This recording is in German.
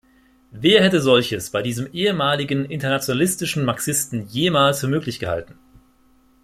Wer hätte solches bei diesem ehemaligen internationalistischen Marxisten jemals für möglich gehalten?